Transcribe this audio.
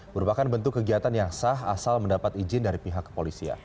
merupakan bentuk kegiatan yang sah asal mendapat izin dari pihak kepolisian